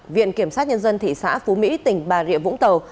viện kiểm sát nhân dân thị xã phú mỹ tỉnh bà rịa vũng tàu